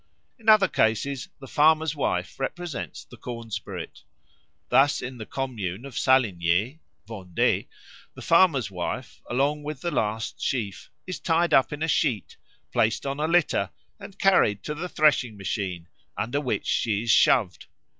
In other cases the farmer's wife represents the corn spirit. Thus in the Commune of Saligné (Vendée), the farmer's wife, along with the last sheaf, is tied up in a sheet, placed on a litter, and carried to the threshing machine, under which she is shoved.